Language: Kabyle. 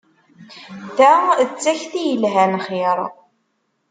Ta d takti yelhan xir!